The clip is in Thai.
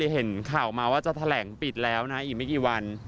เห็นข่าวมาว่าจะแถลงปิดแล้วนะอีกไม่กี่วัน